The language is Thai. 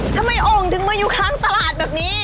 โอ่งถึงมาอยู่ข้างตลาดแบบนี้